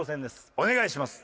お願いします。